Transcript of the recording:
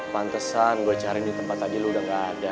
pantesan gue cari di tempat aja lu udah gak ada